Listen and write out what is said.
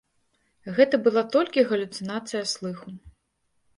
Гэта была толькі галюцынацыя слыху.